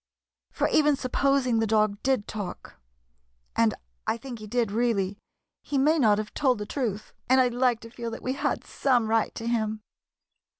"For even supposing the dog did talk — and I think he did, really — he may not have told the truth, and I 'd like to feel that we had some right to him."